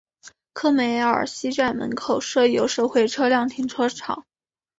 科梅尔西站门口设有社会车辆停车场。